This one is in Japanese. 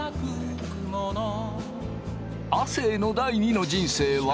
亜生の第二の人生は。